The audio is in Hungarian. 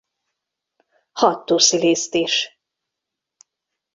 Hattusziliszt is.